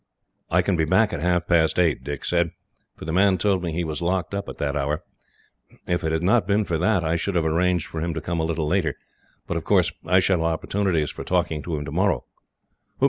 "I can be back at half past eight," Dick said, "for the man told me he was locked up at that hour. If it had not been for that, I should have arranged for him to come a little later. But, of course, I shall have opportunities for talking to him tomorrow.